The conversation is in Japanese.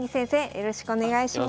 よろしくお願いします。